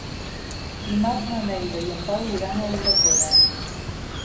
Dimarts na Neida i en Pau iran a Ulldecona.